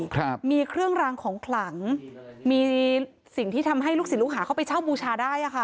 ครับมีเครื่องรางของขลังมีสิ่งที่ทำให้ลูกศิษย์ลูกหาเข้าไปเช่าบูชาได้อ่ะค่ะ